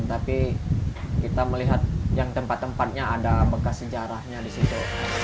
tapi kita melihat yang tempat tempatnya ada bekas sejarahnya di situ